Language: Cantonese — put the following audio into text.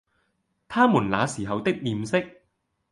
他們那時候的臉色，